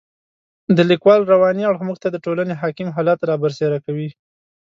د لیکوال رواني اړخ موږ ته د ټولنې حاکم حالات را برسېره کوي.